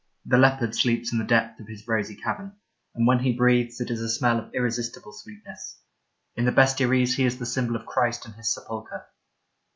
The leopard sleeps in the depth of his rosy cavern, and when he breathes it is a smell of irresistible sweetness ; in the bestiaries he is the symbol of Christ in His sepulchre.